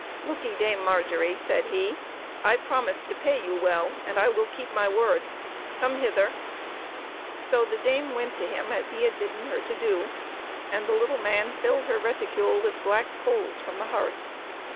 " Look 'ee, Dame Margery," said he ; "I promised to pay you well and I will keep my word. Come hith er !" So the dame went, to him as he had bid den her to do, and the little man filled her ret icule with black coals from the hearth.